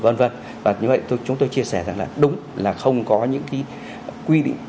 như vậy chúng tôi chia sẻ rằng là đúng là không có những cái quy định